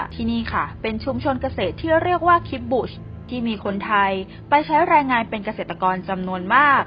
ที่นี่ค่ะเป็นชุมชนเกษตรที่เรียกว่าคิปบุชที่มีคนไทยไปใช้แรงงานเป็นเกษตรกรจำนวนมาก